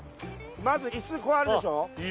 ずイスこうあるでしょ？